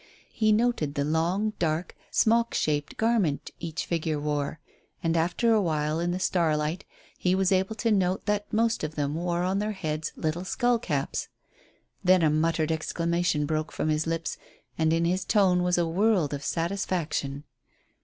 He noted the long, dark, smock shaped garment each figure wore, and, after a while, in the starlight, he was able to note that most of them wore on their heads little skull caps. Then a muttered exclamation broke from his lips, and in his tone was a world of satisfaction.